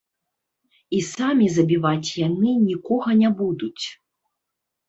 І самі забіваць яны нікога не будуць.